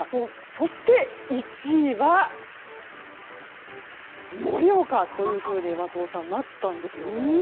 そして、１位は盛岡というふうになったんです。